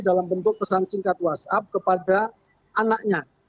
dalam bentuk pesan singkat whatsapp kepada anaknya